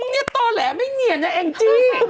นี่ตอนแหละไม่เงียนนะแองจี